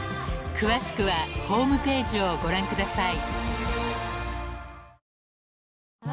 ［詳しくはホームページをご覧ください］